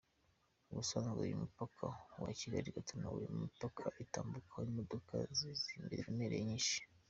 Ubusanzwe uyu mupaka wa Kigali Gatuna uri mu mipaka itambukaho imodoka ziremereye nyinshi.